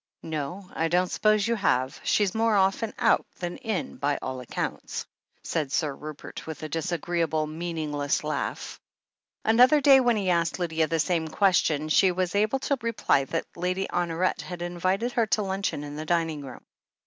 "No, I don't suppose you have. She's more often out than in, by all accounts," said Sir Rupert, with a disagreeable, meaningless laugh. Another day, when he asked Lydia the same ques tion, she was able to reply that Lady Honoret had invited her to luncheon in the dining room.